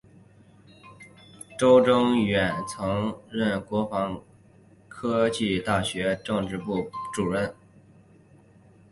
邹征远曾任国防科技大学政治部副主任。